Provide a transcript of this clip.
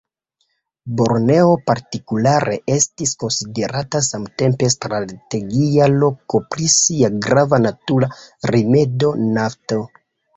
Borneo partikulare estis konsiderata samtempe strategia loko pro sia grava natura rimedo; nafto.